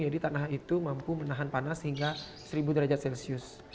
tanah itu mampu menahan panas hingga seribu derajat celcius